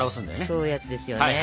そういうヤツですよね。